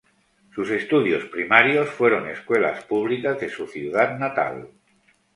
Sus estudios primarios fueron escuelas públicas de su ciudad natal.